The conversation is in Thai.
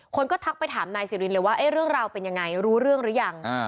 คนก็ทักไปถามนายสิรินเลยว่าเรื่องราวเป็นยังไงรู้เรื่องหรือยัง